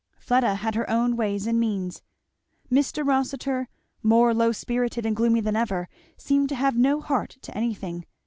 Fleda had her own ways and means. Mr. Rossitur, more low spirited and gloomy than ever, seemed to have no heart to anything.